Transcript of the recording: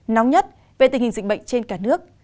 nóng nhất về tình hình dịch bệnh trên cả nước